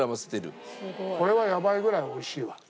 これはやばいぐらい美味しいわ。